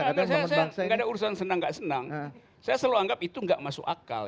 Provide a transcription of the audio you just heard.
karena saya tidak ada urusan senang atau tidak senang saya selalu anggap itu tidak masuk akal